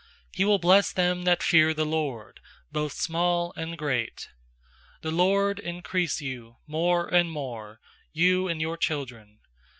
13He will bless them that fear the LORD, Both small and great. I4The LORD increase you more and more, You and your children.